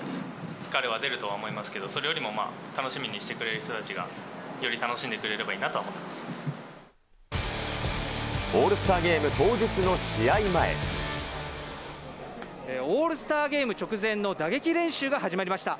疲れは出ると思いますけど、それよりも楽しみにしてくれる人たちがより楽しんでくれればいいオールスターゲーム当日の試オールスターゲーム直前の打撃練習が始まりました。